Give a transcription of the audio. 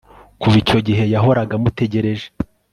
Kuva icyo gihe yahoraga amutegereje